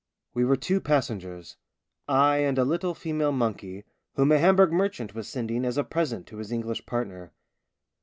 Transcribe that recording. We were two passengers ; I and a little female monkey, whom a Hamburg merchant was sending as a present to his English partner.